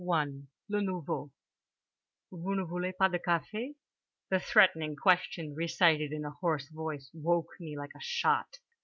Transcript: LE NOUVEAU "Vous ne voulez pas de café?" The threatening question recited in a hoarse voice woke me like a shot.